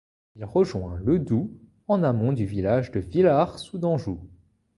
Il rejoint le Doubs en amont du village de Villars-sous-Dampjoux.